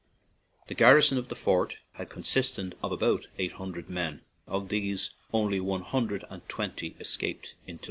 The garrison of the fort had consisted of about eight hundred men ; of these only one hundred and twenty escaped into Limerick."